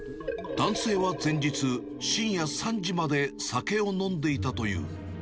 男性は前日、深夜３時まで酒を飲んでいたという。